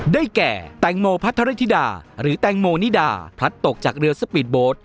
ได้แก่แตงโมพัทรธิดาหรือแตงโมนิดาพลัดตกจากเรือสปีดโบสต์